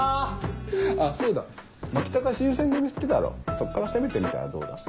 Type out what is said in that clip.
そうだ牧高新選組好きだろそっから攻めてみたらどうだ。